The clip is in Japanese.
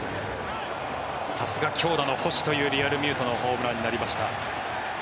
さすが、強打の捕手というリアルミュートのホームランになりました。